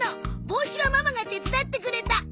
帽子はママが手伝ってくれた。